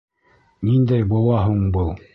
— Ниндәй быуа һуң был?